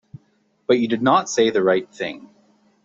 But you did not say the right thing.